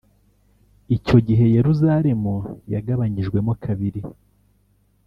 Icyo gihe Yeruzalemu yagabanyijwemo kabiri